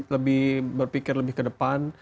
lebih berpikir lebih ke depan